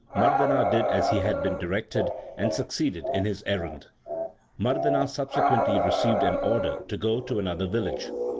Mardana did as he had been directed, and succeeded in his errand. Mardana subsequently received an order to go to another village.